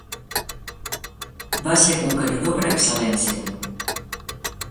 Va ser conqueridor per excel·lència.